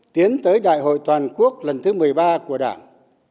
tiến tới đại hội toàn quốc lần thứ một mươi ba của đảng